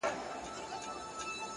ما به د سترگو کټوري کي نه ساتلې اوبه